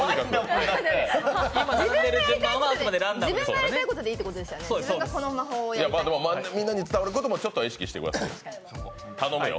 自分がやりたいことでいいわけですよねでもみんなに伝わることもちょっとは意識してください、頼むよ